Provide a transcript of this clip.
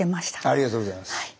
ありがとうございます。